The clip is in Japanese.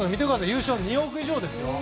優勝賞金、２億以上ですよ。